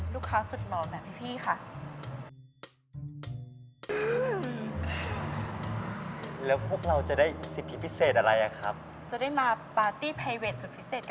ลูกค้าสุดเหมาะแมนพี่ค่ะ